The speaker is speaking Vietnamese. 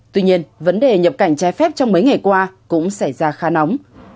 tuy nhiên vấn đề nhập cảnh trái phép trong mấy ngày qua cũng xảy ra khá nóng